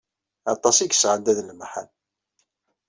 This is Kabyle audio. Aṭas i yesɛedda d lemḥan.